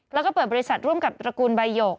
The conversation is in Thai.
แล้วก็เปิดบริษัทร่วมกับตระกูลใบหยก